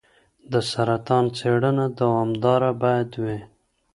د سرطان څېړنه دوامداره باید وي.